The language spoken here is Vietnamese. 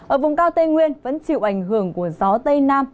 ở vùng cao tây nguyên vẫn chịu ảnh hưởng của gió tây nam